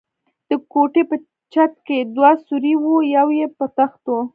د کوټې په چت کې دوه سوري و، یو یې په تختو.